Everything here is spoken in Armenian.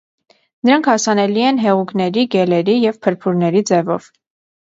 Նրանք հասանելի են հեղուկների, գելերի եւ փրփուրների ձևով։